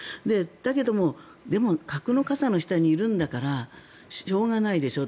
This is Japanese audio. だけれども核の傘の下にいるんだからしょうがないでしょ